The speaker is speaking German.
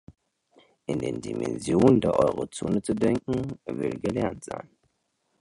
In den Dimensionen der Euro-Zone zu denken, will gelernt sein.